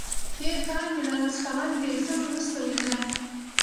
تېر کال مې له لس کلن بیلتون وروسته ولیده.